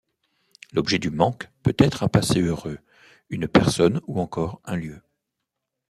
L'objet du manque peut être un passé heureux, une personne ou encore un lieu.